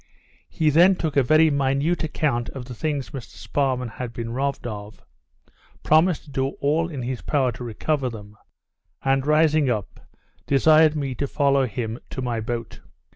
He then took a very minute account of the things Mr Sparrman had been robbed of, promised to do all in his power to recover them, and, rising up, desired me to follow him to my boat.